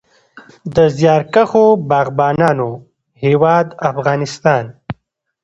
د زیارکښو باغبانانو هیواد افغانستان.